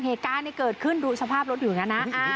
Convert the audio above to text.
เหตุการณ์เกิดขึ้นดูสภาพรถอยู่อย่างนั้นนะ